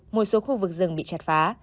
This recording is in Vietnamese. một số khu vực rừng bị chặt phá